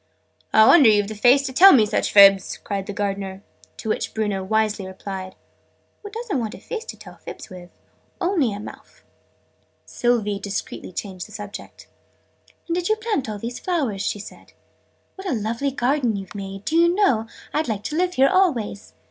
"I wonder you've the face to tell me such fibs!" cried the Gardener. To which Bruno wisely replied "Oo don't want a face to tell fibs wiz only a mouf." Sylvie discreetly changed the subject. "And did you plant all these flowers?" she said. "What a lovely garden you've made! Do you know, I'd like to live here always!"